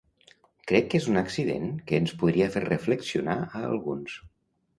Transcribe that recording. Crec que és un accident que ens podria fer reflexionar a alguns.